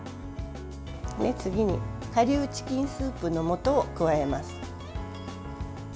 次に顆粒チキンスープの素を加えます。